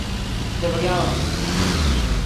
Ne verjamem!